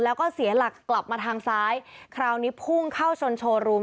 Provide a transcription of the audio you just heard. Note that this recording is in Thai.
แล้วก็เสียหลักกลับมาทางซ้ายคราวนี้พุ่งเข้าชนโชว์รูม